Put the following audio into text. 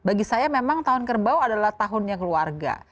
bagi saya memang tahun kerbau adalah tahunnya keluarga